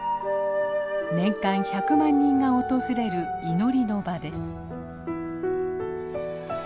年間１００万人が訪れる祈りの場です。